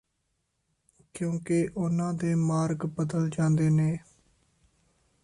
ਕਿਉਂਕਿ ਉਹਨਾਂ ਦੇ ਮਾਰਗ ਬਦਲ ਜਾਂਦੇ ਨੇ